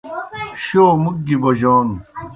شو مُک گیُ بوجون